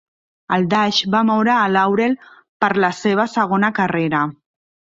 El Dash va moure a Laurel per la seva segona carrera.